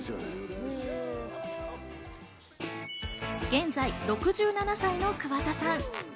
現在６７歳の桑田さん。